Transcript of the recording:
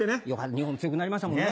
日本強くなりましたもんね。